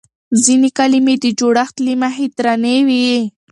ځينې کلمې د جوړښت له مخې درنې وي.